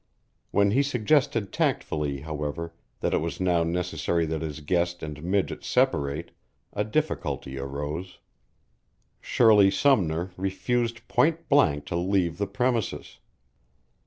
When he suggested tactfully, however, that it was now necessary that his guest and Midget separate, a difficulty arose. Shirley Sumner refused point blank to leave the premises.